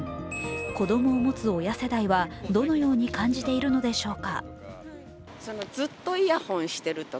子どもを持つ親世代は、どのように感じているのでしょうか。